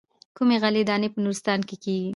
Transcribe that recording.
کومې غلې دانې په نورستان کې کېږي.